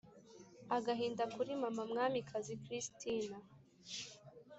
agahinda kuri mama mwamikazi christina!